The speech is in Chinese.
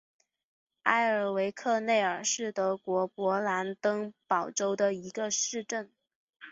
埃尔克内尔是德国勃兰登堡州的一个市镇。